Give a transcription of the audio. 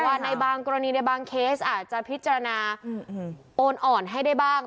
ในบางกรณีในบางเคสอาจจะพิจารณาโอนอ่อนให้ได้บ้าง